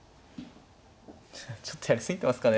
ちょっとやり過ぎてますかね。